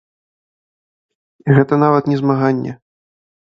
Гэта нават не змаганне.